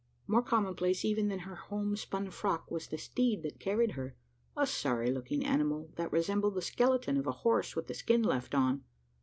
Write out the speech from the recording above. More commonplace even than her homespun frock was the steed that carried her a sorry looking animal, that resembled the skeleton of a horse with the skin left on!